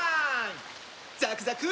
ザクザク！